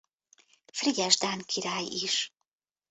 Frigyes dán király is.